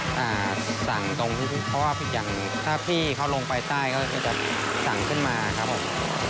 จะพยายามเอ่อสั่งตรงพวกคุณถ้าพี่เขาลงไปใต้ก็ต้องสั่งขึ้นมาครับผม